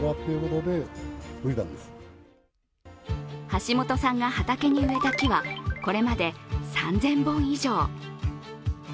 橋本さんが畑に植えた木はこれまで３０００本以上。